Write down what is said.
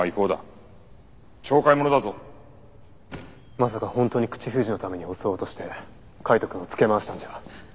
まさか本当に口封じのために襲おうとして海斗くんをつけ回したんじゃ？